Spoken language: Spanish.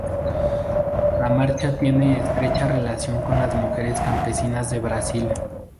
La Marcha tiene estrecha relación con las mujeres campesinas de Brasil.